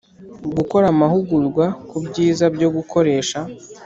Gukora amahugurwa ku byiza byo gukoresha